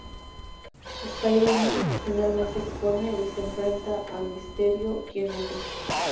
Spider-Man finalmente expone y se enfrenta a Mysterio, quien huye.